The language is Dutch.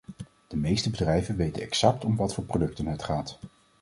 De meeste bedrijven weten exact om wat voor producten het gaat.